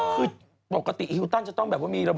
คือปกติอีฮิวตันจะต้องแบบว่ามีระบบ